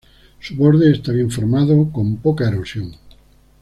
Su borde está bien formado, con poca erosión.